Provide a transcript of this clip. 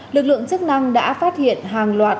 lực lượng chức năng đã phát hiện hàng loạt